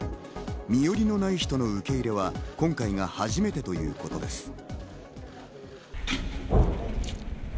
身寄りのない人の受け入れは今回が初めてということです。